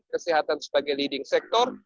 kesehatan sebagai leading sector